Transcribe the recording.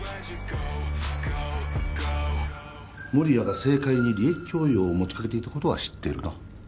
守谷が政界に利益供与を持ち掛けていたことは知ってるな？